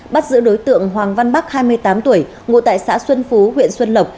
bắt giữ đối tượng hoàng văn bắc hai mươi tám tuổi ngụ tại xã xuân phú huyện xuân lộc